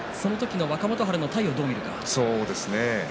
若元春の体をどう見るかですね。